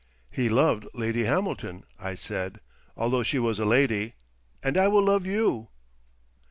"He loved Lady Hamilton," I said, "although she was a lady—and I will love you."